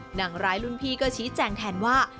หนังร้ายรุ่นพี่ก็ชี้แจงแทนว่า